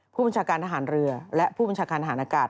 ผู้บัญชาการทหารเรือและผู้บัญชาการฐานอากาศ